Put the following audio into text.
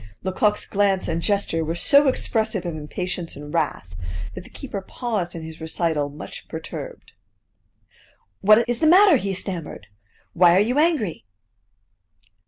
Lecoq's glance and gesture were so expressive of impatience and wrath that the keeper paused in his recital much perturbed. "What is the matter?" he stammered. "Why are you angry?"